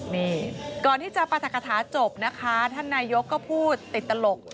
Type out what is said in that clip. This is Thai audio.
นี่ก่อนที่จะปรัฐกฐาจบนะคะท่านนายกก็พูดติดตลก